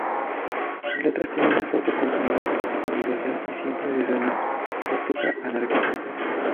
Sus letras tienen un fuerte contenido político y social, siempre desde una óptica anarquista.